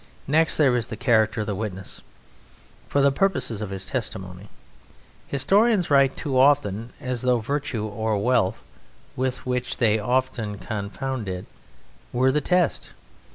Next there is the character of the witness for the purposes of his testimony. Historians write, too often, as though virtue or wealth (with which they often confound it) were the test.